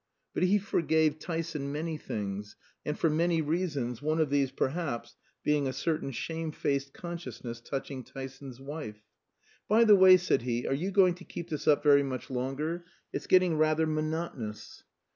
But he forgave Tyson many things, and for many reasons, one of these, perhaps, being a certain shamefaced consciousness touching Tyson's wife. "By the way," said he, "are you going to keep this up very much longer? It's getting rather monotonous."